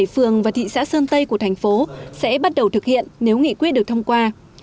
một trăm bảy mươi bảy phường và thị xã sơn tây của thành phố sẽ bắt đầu thực hiện nếu nghị quyết được thông qua